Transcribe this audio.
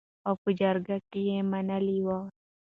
او په جرګه کې منلې وو .